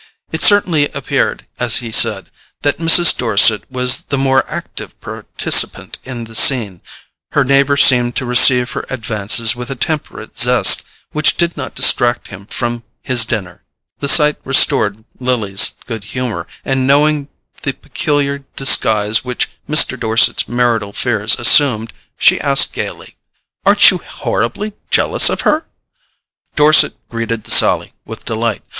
It certainly appeared, as he said, that Mrs. Dorset was the more active participant in the scene: her neighbour seemed to receive her advances with a temperate zest which did not distract him from his dinner. The sight restored Lily's good humour, and knowing the peculiar disguise which Mr. Dorset's marital fears assumed, she asked gaily: "Aren't you horribly jealous of her?" Dorset greeted the sally with delight.